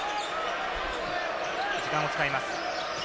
時間を使います。